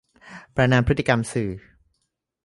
ประนามพฤติกรรมสื่อ